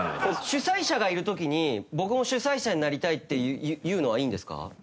主催者がいる時に僕も主催者になりたいって言うのはいいんですか？